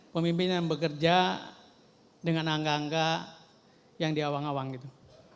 pemimpin yang bekerja dengan angka angka yang diawang awang gitu